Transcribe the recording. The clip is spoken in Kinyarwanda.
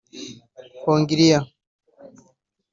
Hongrie